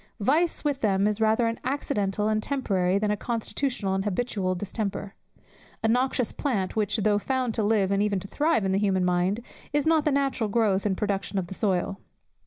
Vice with them is rather an accidental and temporary, than a constitutional and habitual distemper; a noxious plant, which, though found to live and even to thrive in the human mind, is not the natural growth and production of the soil.